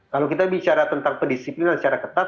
kalau kita bicara tentang pendisiplinan secara ketat